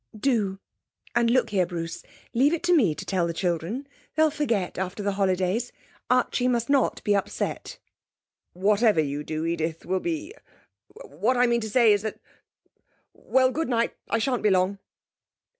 'Do. And look here, Bruce, leave it to me to tell the children. They'll forget after the holidays. Archie must not be upset.' 'Whatever you do, Edith, will be what I mean to say is that Well, good night; I sha'n't be long.'